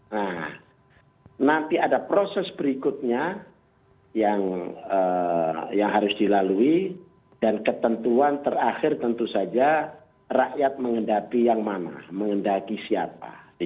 nah nanti ada proses berikutnya yang harus dilalui dan ketentuan terakhir tentu saja rakyat mengendaki yang mana mengendaki siapa